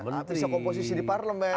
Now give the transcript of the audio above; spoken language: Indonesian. bisa komposisi di parlemen